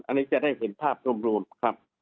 อันนี้จะได้เห็นภาพรวมครับ